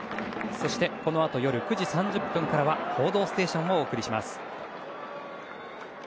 そして、このあと夜９時３０分からは「報道ステーション」をお送りします。